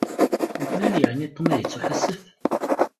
Yuklal yeεni Tom ad ittuḥasef?